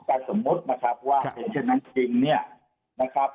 ถ้าสมมุตินะครับว่าเห็นเช่นนั้นจริงเนี่ยนะครับ